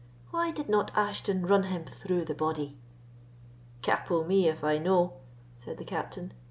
Why did not Ashton run him through the body?" "Capot me if I know," said the Captain.